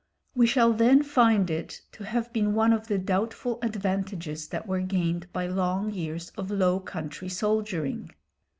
We shall then find it to have been one of the doubtful advantages that were gained by long years of Low Country soldiering.